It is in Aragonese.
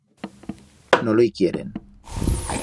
No lo i quieren.